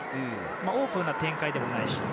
オープンな展開でもないし。